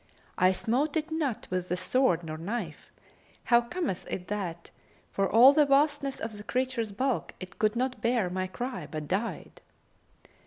I smote it not with the sword nor knife; how cometh it that, for all the vastness of the creature's bulk, it could not bear my cry, but died?"